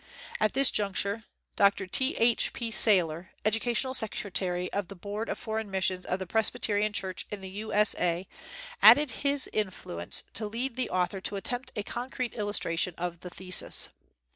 At this juncture Dr. T. H. P. Sailer, Educational Secretary of the Board of Foreign Missions of the Presbyterian Church in the U. S. A., added his influence to lead the author to attempt a concrete illustration of the thesis.